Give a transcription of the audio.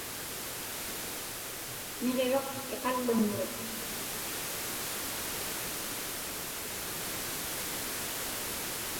Niġiruq iqalluŋnik.